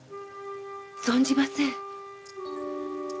存じません。